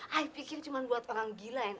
ayah pikir cuma buat orang gini